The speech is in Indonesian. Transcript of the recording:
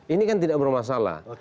ini kan tidak bermasalah